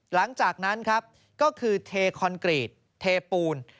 หลังจากนั้นครับก็คือเทคอนกรีตเทปูน